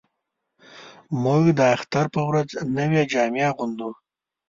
موږ د اختر په ورځ نوې جامې اغوندو